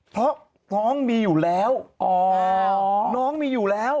เพราะน้องมีอยู่แล้ว